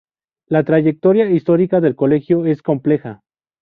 La trayectoria histórica del colegio es compleja.